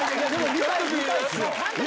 見たいんすよ